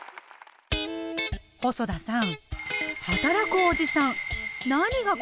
細田さん